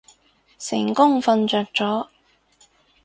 成功瞓着咗